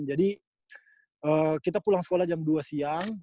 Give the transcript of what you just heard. jadi kita pulang sekolah jam dua siang